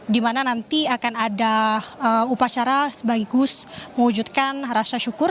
di mana nanti akan ada upacara sekaligus mewujudkan rasa syukur